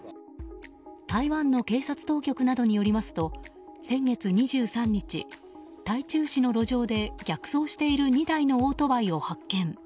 台湾の警察当局などによりますと先月２３日台中市の路上で逆走している２台のオートバイを発見。